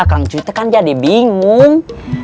kang uncuy tuh kan jadi bingung